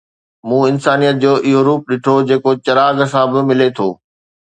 مون انسانيت جو اهو روپ ڏٺو، جيڪو چراغ سان به ملي ٿو